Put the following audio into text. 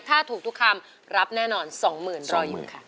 ถ้าถูกทุกคำรับแน่นอน๒๐๐๐รออยู่ค่ะ